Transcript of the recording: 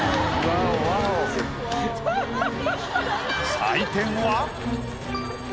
採点は。